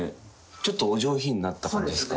ちょっとお上品になった感じっすか。